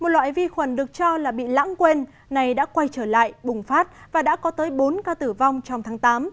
một loại vi khuẩn được cho là bị lãng quên này đã quay trở lại bùng phát và đã có tới bốn ca tử vong trong tháng tám